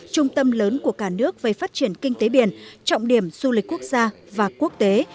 trung tâm lớn của cả nước về phát triển kinh tế biển trọng điểm du lịch quốc gia và quốc tế